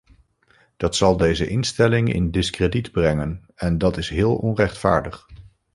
Dat zal deze instelling in diskrediet brengen en dat is heel onrechtvaardig.